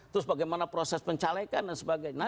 terus bagaimana proses pencalekan dan sebagainya